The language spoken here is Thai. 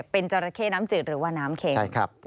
เป็นจราเข้น้ำจืดหรือว่าน้ำแข็ง